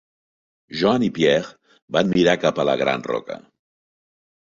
Jeanne i Pierre van mirar cap a la gran roca.